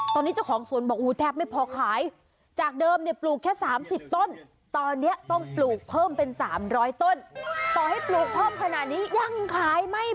ตอนนี้เจ้าของสวนบอกอู๋แทบไม่พอขาย